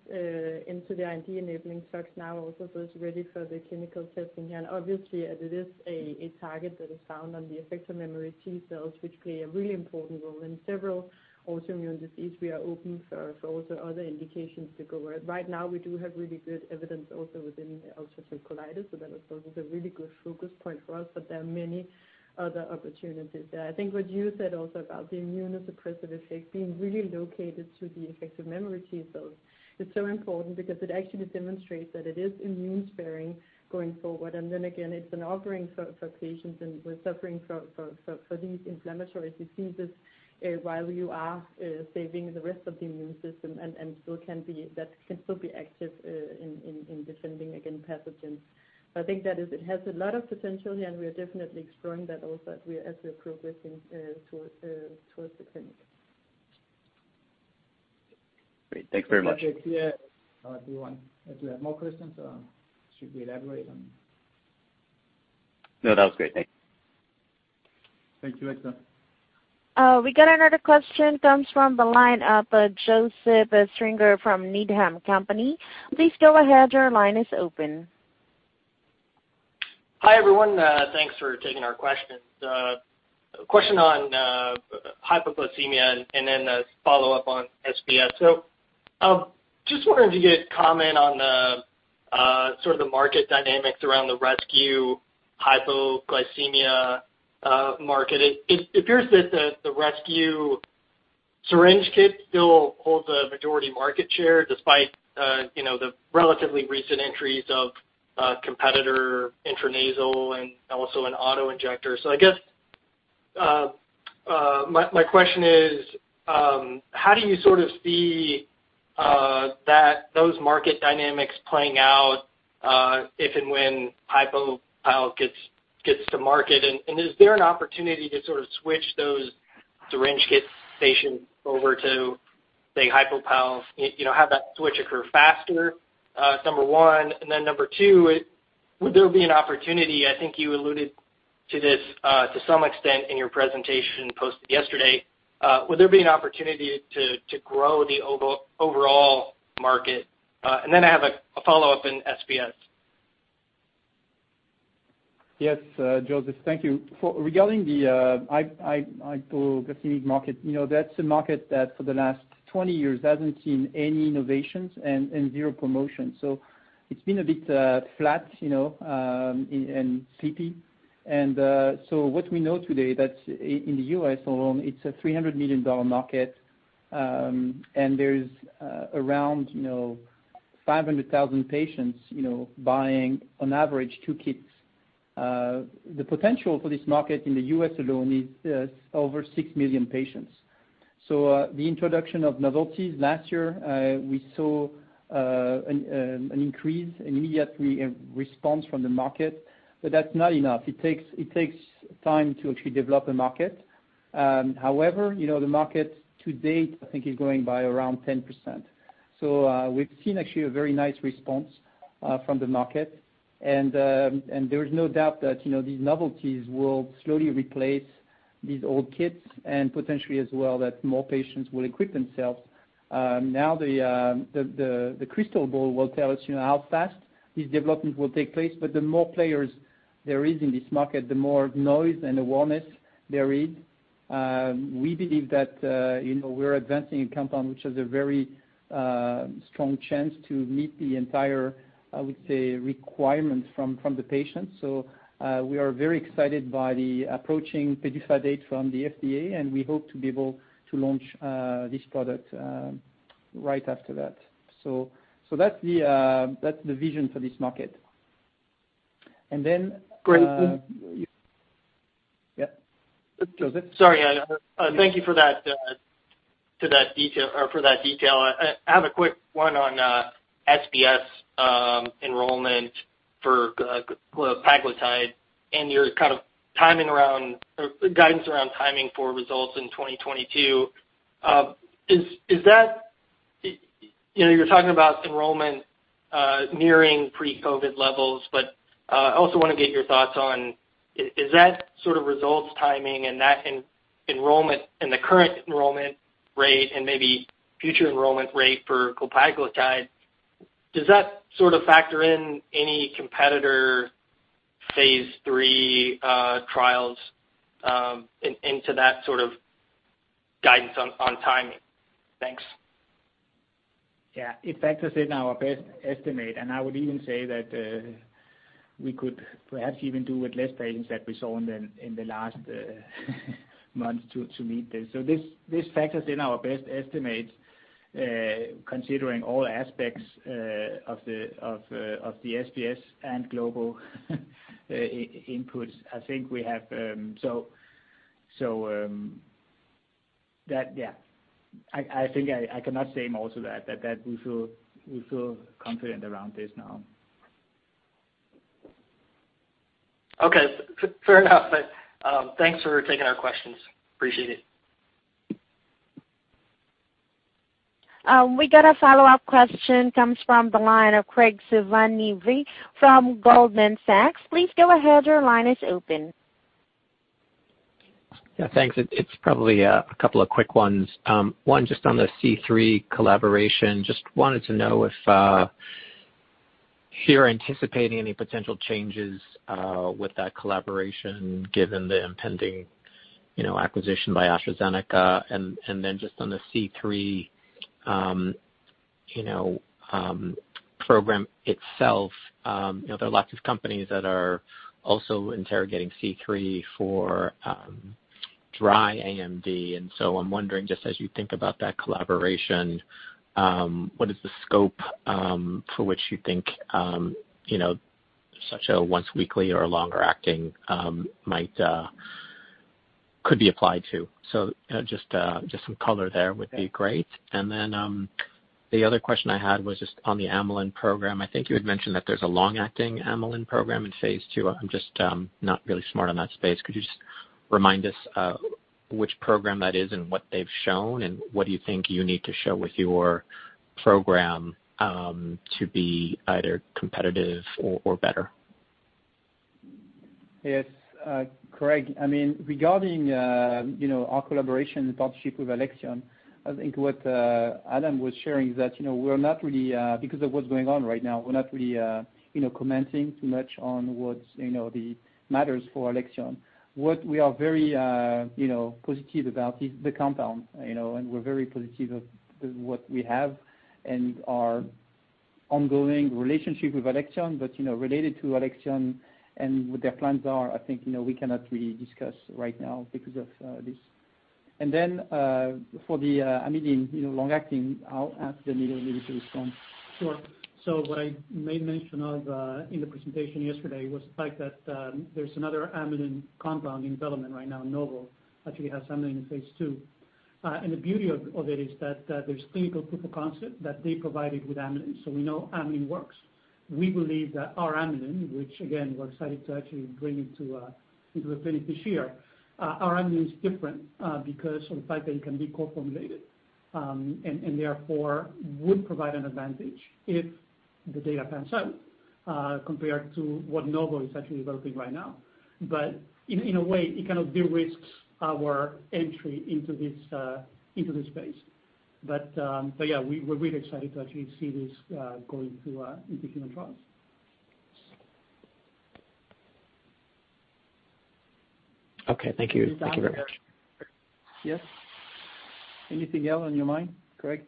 into the IND-enabling studies now also so it's ready for the clinical testing. And obviously, it is a target that is found on the effector memory T cells, which play a really important role in several autoimmune diseases. We are open for also other indications to go ahead. Right now, we do have really good evidence also within ulcerative colitis. So that is also a really good focus point for us, but there are many other opportunities there. I think what you said also about the immunosuppressive effect being really located to the effector memory T cells is so important because it actually demonstrates that it is immune-sparing going forward. Then again, it's an offering for patients who are suffering from these inflammatory diseases while you are saving the rest of the immune system and still can be active in defending, again, pathogens. So I think that it has a lot of potential here, and we are definitely exploring that also as we are progressing towards the clinic. Great. Thanks very much. Thank you. Do you have more questions or should we elaborate on? No, that was great. Thank you. Thank you, Etzer. We got another question. It comes from the line of Joseph Stringer from Needham & Company. Please go ahead. Your line is open. Hi everyone. Thanks for taking our questions. A question on hypoglycemia and then a follow-up on SBS. So just wanted to get a comment on sort of the market dynamics around the rescue hypoglycemia market. It appears that the rescue syringe kit still holds a majority market share despite the relatively recent entries of competitor intranasal and also an auto injector. So I guess my question is, how do you sort of see those market dynamics playing out if and when HypoPal gets to market? And is there an opportunity to sort of switch those syringe kit stations over to, say, HypoPal? Have that switch occur faster, number one. And then number two, would there be an opportunity? I think you alluded to this to some extent in your presentation posted yesterday. Would there be an opportunity to grow the overall market? And then I have a follow-up in SBS. Yes, Joseph, thank you. Regarding the hypoglycemic market, that's a market that for the last 20 years hasn't seen any innovations and zero promotion, so it's been a bit flat and sleepy, and so what we know today, that's in the U.S. alone, it's a $300 million market, and there's around 500,000 patients buying on average two kits. The potential for this market in the U.S. alone is over 6 million patients, so the introduction of Zegalogue last year, we saw an increase and immediately a response from the market, but that's not enough. It takes time to actually develop a market. However, the market to date, I think, is going by around 10%. So we've seen actually a very nice response from the market, and there is no doubt that these Zegalogue will slowly replace these old kits and potentially as well that more patients will equip themselves. Now, the crystal ball will tell us how fast this development will take place. But the more players there are in this market, the more noise and awareness there is. We believe that we're advancing a compound which has a very strong chance to meet the entire, I would say, requirements from the patients. So we are very excited by the approaching PDUFA date from the FDA, and we hope to be able to launch this product right after that. So that's the vision for this market. And then. Great. Yeah. Joseph? Sorry. Thank you for that detail. I have a quick one on SBS enrollment for glepaglutide, and you're kind of timing around guidance around timing for results in 2022. You're talking about enrollment nearing pre-COVID levels, but I also want to get your thoughts on is that sort of results timing and that enrollment and the current enrollment rate and maybe future enrollment rate for survodutide, does that sort of factor in any competitor phase 3 trials into that sort of guidance on timing? Thanks. Yeah. It factors in our estimate. And I would even say that we could perhaps even do with less patients that we saw in the last months to meet this. So this factors in our best estimates considering all aspects of the SBS and global inputs. I think we have, so yeah. I think I cannot say more to that, that we feel confident around this now. Okay. Fair enough. Thanks for taking our questions. Appreciate it. We got a follow-up question. It comes from the line of Graig Suvannavejh from Goldman Sachs. Please go ahead. Your line is open. Yeah. Thanks. It's probably a couple of quick ones. One just on the C3 collaboration. Just wanted to know if you're anticipating any potential changes with that collaboration given the impending acquisition by AstraZeneca? And then just on the C3 program itself, there are lots of companies that are also interrogating C3 for dry AMD. And so I'm wondering, just as you think about that collaboration, what is the scope for which you think such a once-weekly or longer-acting might could be applied to? So just some color there would be great. And then the other question I had was just on the Amylin program. I think you had mentioned that there's a long-acting Amylin program in phase 2. I'm just not really smart on that space. Could you just remind us which program that is and what they've shown? What do you think you need to show with your program to be either competitive or better? Yes. Graig, I mean, regarding our collaboration and partnership with Alexion, I think what Adam was sharing is that we're not really because of what's going on right now, we're not really commenting too much on what matters for Alexion. What we are very positive about is the compound. And we're very positive about what we have and our ongoing relationship with Alexion. But related to Alexion and what their plans are, I think we cannot really discuss right now because of this. And then for the Amylin long-acting, I'll ask Danilo maybe to respond. Sure. So what I made mention of in the presentation yesterday was the fact that there's another Amylin compound in development right now. Novo actually has Amylin in phase 2. And the beauty of it is that there's clinical proof of concept that they provided with Amylin. So we know Amylin works. We believe that our Amylin, which again, we're excited to actually bring into the clinic this year, our Amylin is different because of the fact that it can be co-formulated and therefore would provide an advantage if the data pans out compared to what Novo is actually developing right now. But in a way, it kind of de-risks our entry into this space. But yeah, we're really excited to actually see this going into human trials. Okay. Thank you. Thank you very much. Yes. Anything else on your mind, Graig?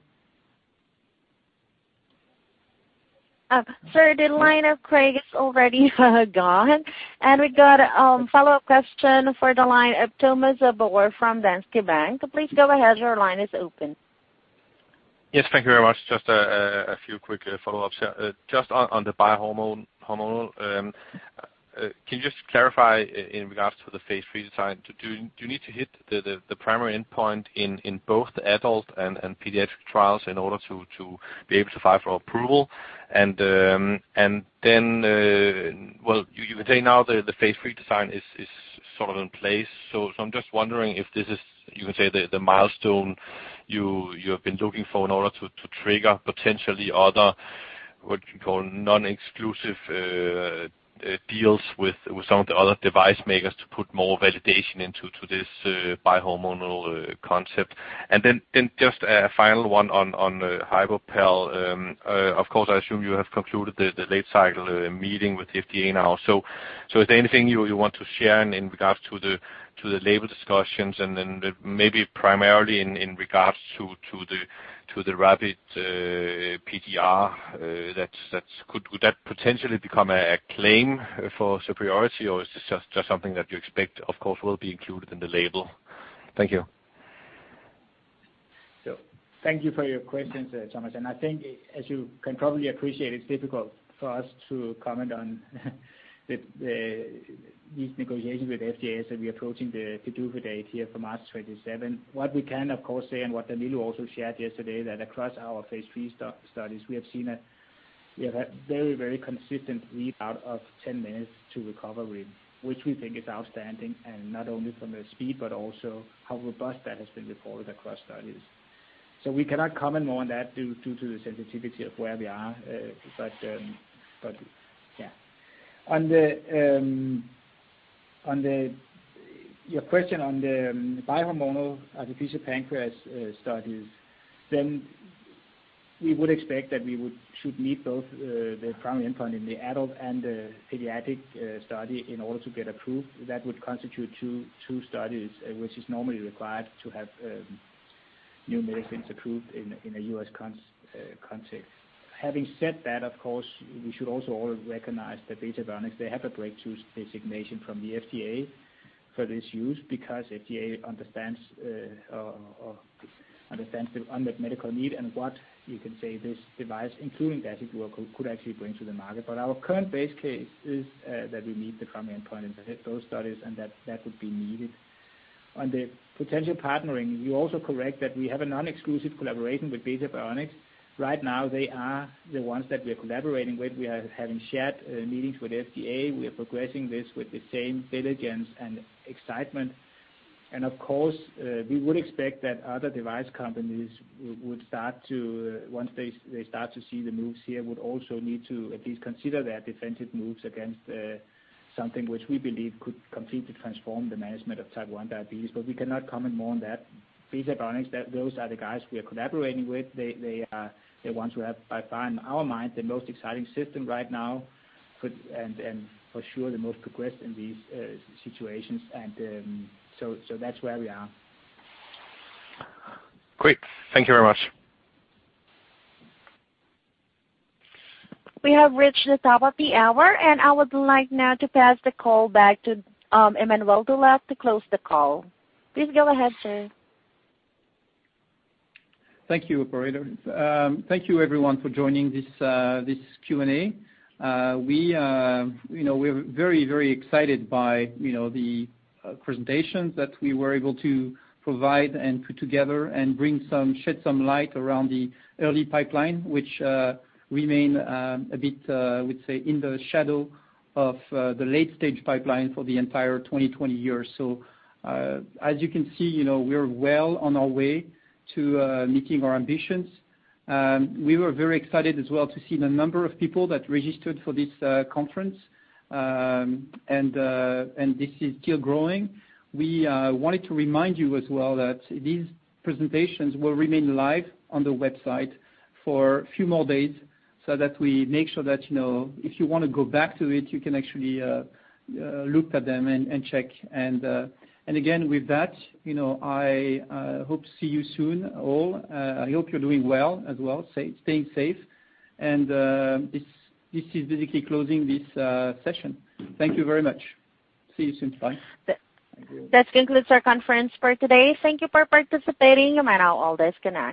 Sir, the line of Graig is already gone, and we got a follow-up question for the line of Thomas Bowers from Danske Bank. Please go ahead. Your line is open. Yes. Thank you very much. Just a few quick follow-ups here. Just on the bi-hormonal, can you just clarify in regards to the phase three design? Do you need to hit the primary endpoint in both adult and pediatric trials in order to be able to file for approval? And then, well, you can say now the phase three design is sort of in place. So I'm just wondering if this is, you can say, the milestone you have been looking for in order to trigger potentially other what you call non-exclusive deals with some of the other device makers to put more validation into this bi-hormonal concept. And then just a final one on HypoPal. Of course, I assume you have concluded the late cycle meeting with FDA now. So is there anything you want to share in regards to the label discussions and then maybe primarily in regards to the rapid TTR? Would that potentially become a claim for superiority, or is this just something that you expect, of course, will be included in the label? Thank you. Thank you for your questions, Thomas. And I think, as you can probably appreciate, it's difficult for us to comment on these negotiations with FDA as we are approaching the PDUFA date here for March 27. What we can, of course, say, and what Danilo also shared yesterday, that across our phase three studies, we have seen a very, very consistent lead of 10 minutes to recovery, which we think is outstanding, and not only from the speed, but also how robust that has been reported across studies. So we cannot comment more on that due to the sensitivity of where we are. But yeah. On your question on the bi-hormonal artificial pancreas studies, then we would expect that we should meet both the primary endpoint in the adult and the pediatric study in order to get approved. That would constitute two studies, which is normally required to have new medicines approved in a U.S. context. Having said that, of course, we should also all recognize that Beta Bionics, they have a breakthrough designation from the FDA for this use because FDA understands the unmet medical need and what you can say this device, including dasiglucagon, could actually bring to the market. But our current base case is that we meet the primary endpoint in both studies, and that would be needed. On the potential partnering, you're also correct that we have a non-exclusive collaboration with Beta Bionics. Right now, they are the ones that we are collaborating with. We are having shared meetings with FDA. We are progressing this with the same diligence and excitement. Of course, we would expect that other device companies would start to, once they start to see the moves here, would also need to at least consider their defensive moves against something which we believe could completely transform the management of type 1 diabetes. But we cannot comment more on that. Beta Bionics, those are the guys we are collaborating with. They are the ones who have, in our mind, the most exciting system right now and for sure the most progressed in these situations. So that's where we are. Great. Thank you very much. We have reached the top of the hour, and I would like now to pass the call back to Emmanuel Dulac to close the call. Please go ahead, sir. Thank you, Operator. Thank you, everyone, for joining this Q&A. We are very, very excited by the presentations that we were able to provide and put together and shed some light around the early pipeline, which remained a bit, I would say, in the shadow of the late-stage pipeline for the entire 2020 year. So as you can see, we are well on our way to meeting our ambitions. We were very excited as well to see the number of people that registered for this conference, and this is still growing. We wanted to remind you as well that these presentations will remain live on the website for a few more days so that we make sure that if you want to go back to it, you can actually look at them and check. And again, with that, I hope to see you soon all. I hope you're doing well as well. Staying safe. And this is basically closing this session. Thank you very much. See you soon. Bye. This concludes our conference for today. Thank you for participating. You might now all disconnect.